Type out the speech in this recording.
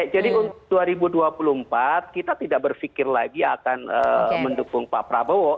jadi untuk dua ribu dua puluh empat kita tidak berpikir lagi akan mendukung pak prabowo